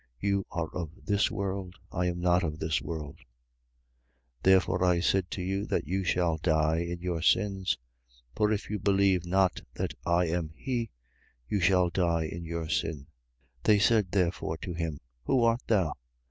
You are of this world: I am not of this world. 8:24. Therefore I said to you that you shall die in your sins. For if you believe not that I am he, you shall die in your sin. 8:25. They said therefore to him: Who art thou?